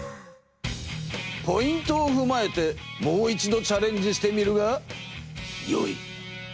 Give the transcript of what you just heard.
ポイントをふまえてもう一度チャレンジしてみるがよい！